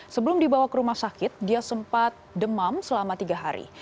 sebelum dibawa ke rumah sakit dia sempat demam selama tiga hari